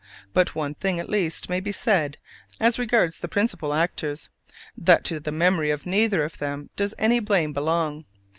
But one thing at least may be said as regards the principal actors that to the memory of neither of them does any blame belong.